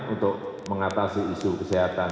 untuk mengatasi isu kesehatan